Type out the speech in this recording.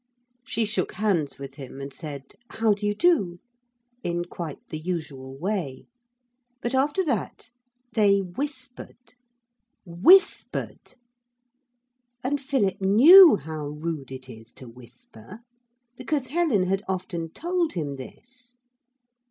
She shook hands with him, and said, 'How do you do?' in quite the usual way. But after that they whispered. Whispered! And Philip knew how rude it is to whisper, because Helen had often told him this.